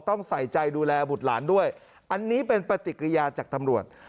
ต้องใส่ใจดูแลบุตรหลานด้วยอันนี้เป็นปฏิกิริยาจากตำรวจ